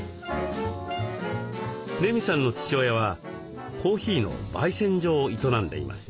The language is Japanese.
麗美さんの父親はコーヒーのばい煎所を営んでいます。